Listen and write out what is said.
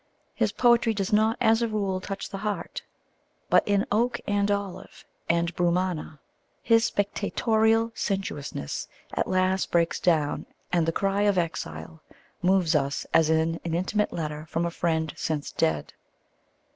His poetry does not as a rule touch the heart; but in Oak and Olive and Brumana his spectatorial sensuousness at last breaks down and the cry of the exile moves us as in an intimate letter from a friend since dead.